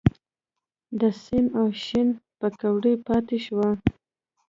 د سین او شین پیکړه پاتې شوه.